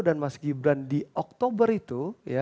dan mas gibran di oktober itu